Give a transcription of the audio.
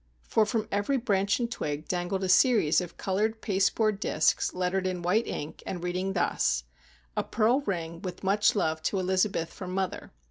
For from every branch and twig dangled a series of coloured pasteboard discs, lettered in white ink, and reading thus:— "A pearl ring, with much love to Elizabeth from mother."